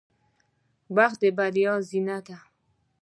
• وخت د بریا زینه ده.